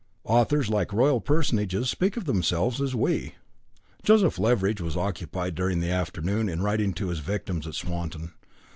Authors, like royal personages, speak of themselves as We." Joseph Leveridge was occupied during the afternoon in writing to his victims at Swanton.